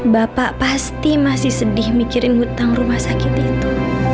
bapak pasti masih sedih mikirin hutang rumah sakit itu